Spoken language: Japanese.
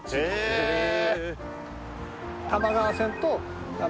へえ